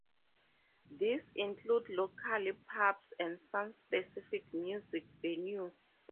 These include local pubs and some specific music venues.